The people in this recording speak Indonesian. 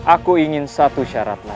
aku ingin satu syarat lagi